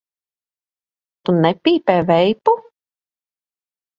Tu nepīpē veipu?